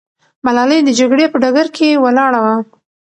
ملالۍ د جګړې په ډګر کې ولاړه ده.